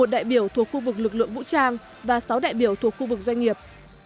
một đại biểu thuộc khu vực lực lượng vũ trang và sáu đại biểu thuộc khu vực doanh nghiệp